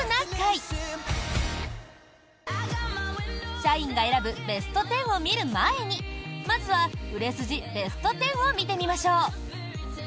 社員が選ぶベスト１０を見る前にまずは売れ筋ベスト１０を見てみましょう。